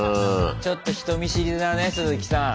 ちょっと人見知りだねすずきさん。